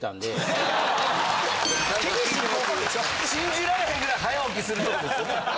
・厳しい高校でしょ・信じられへんぐらい早起きするとこですよね。